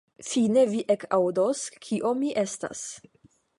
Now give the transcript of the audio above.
fine vi ekaŭdos, kio mi estas.